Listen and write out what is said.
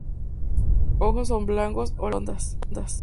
Hojas oblongas a lanceoladas.